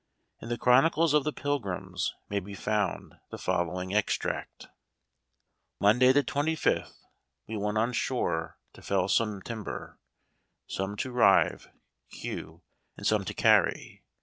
In the Chronicles of the Pilgrims may be found the following extract : Munday the 25th day we went on shore to fell some timber, some to rive (hew), and some to carry.